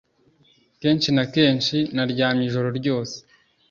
Kenshi na kenshi naryamye ijoro ryose.